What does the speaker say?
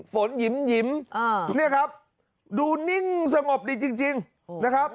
ฝนหยิ้มหยิ้มอ่าเนี่ยครับดูนิ่งสงบดีจริงจริงนะครับ